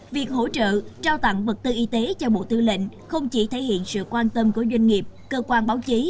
việc hỗ trợ trao tặng vật tư y tế cho bộ thư lệnh không chỉ thể hiện sự quan tâm của doanh nghiệp cơ quan báo chí